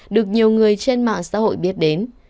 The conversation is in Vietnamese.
được nhiều người trên mạng xã hội biết đến